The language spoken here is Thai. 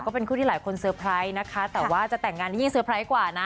ก็เป็นคู่ที่หลายคนเซอร์ไพรส์นะคะแต่ว่าจะแต่งงานที่ยิ่งเซอร์ไพรส์กว่านะ